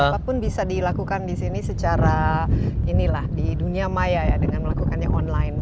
apapun bisa dilakukan di sini secara inilah di dunia maya ya dengan melakukannya online